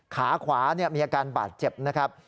ขาขวามีอาการบาดเจ็บนะครับ